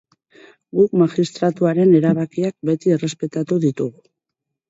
Guk magistratuaren erabakiak beti errespetatu ditugu.